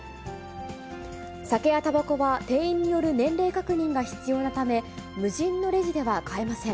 酒やたばこが店員による年齢確認が必要なため、無人のレジでは買えません。